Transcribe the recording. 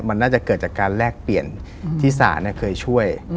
มันน่าจะเกิดจากการแลกเปลี่ยนที่ศาลเคยช่วย